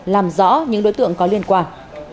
làm rõ những đối tượng có liên quan